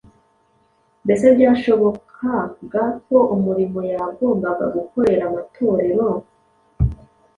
Mbese byashobokaga ko umurimo yagombaga gukorera amatorero